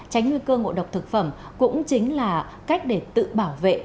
tránh nguy cơ ngộ độc thực phẩm cũng chính là cách để tự bảo vệ